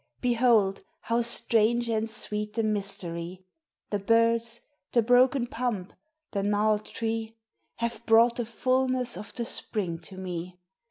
Behold, how strange and sweet the mystery! The birds, the broken pump, the gnarled tree, Have brought the fullness of the spring to me.